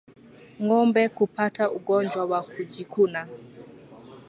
Ngombe hupata ugonjwa wa kujikuna